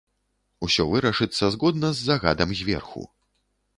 Усё вырашыцца згодна з загадам зверху.